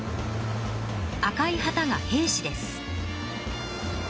赤い旗が平氏です。